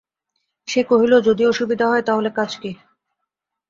সে কহিল, যদি অসুবিধা হয় তা হলে কাজ কী!